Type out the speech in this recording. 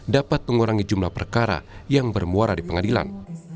dapat mengurangi jumlah perkara yang bermuara di pengadilan